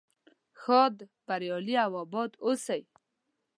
ښاد بریالي او اباد اوسئ.